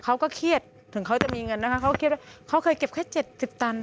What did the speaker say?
เขาก็เครียดถึงเขาจะมีเงินนะคะเขาก็คิดว่าเขาเคยเก็บแค่๗๐ตัน